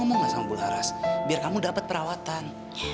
enggak kalau kamu marah marah